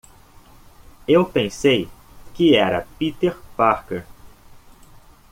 Eu pensei que era Peter Parker.